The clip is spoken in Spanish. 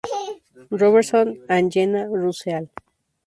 Robertson and Jenna Russell.